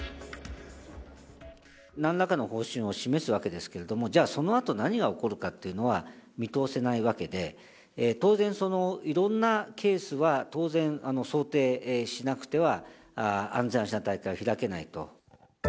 なんらかの方針を示すわけですけれども、じゃあそのあと何が起こるかというのは見通せないわけで、当然いろんなケースは当然、想定しなくては、安全・安心な大会は開けないと。